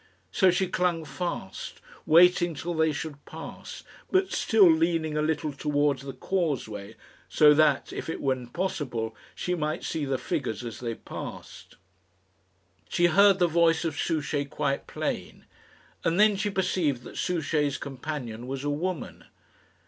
So she clung fast, waiting till they should pass, but still leaning a little towards the causeway, so that, if it were possible, she might see the figures as they passed. She heard the voice of Souchey quite plain, and then she perceived that Souchey's companion was a woman.